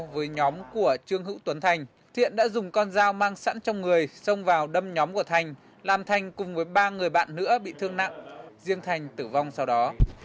với nhóm của trương hữu tuấn thành thiện đã dùng con dao mang sẵn trong người xông vào đâm nhóm của thành làm thành cùng với ba người bạn nữa bị thương nặng riêng thành tử vong sau đó